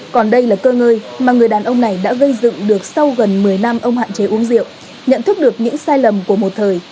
còn đây là cơ ngơi mà người đàn ông này đã gây dựng được sau gần một mươi năm ông hạn chế uống rượu nhận thức được những sai lầm của một thời